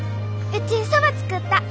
うちそば作った！